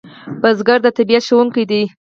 بزګر د طبیعت ښوونکی دی